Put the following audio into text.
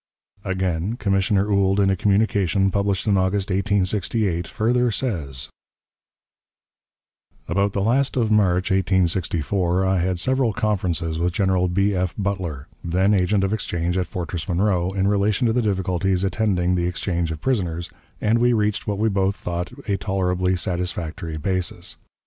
Again, Commissioner Ould, in a communication published in August, 1868, further says: "About the last of March, 1864, I had several conferences with General B. F. Butler, then agent of exchange at Fortress Monroe, in relation to the difficulties attending the exchange of prisoners, and we reached what we both thought a tolerably satisfactory basis.